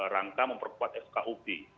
rangka memperkuat fkub